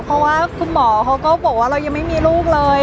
เพราะว่าคุณหมอเขาก็บอกว่าเรายังไม่มีลูกเลย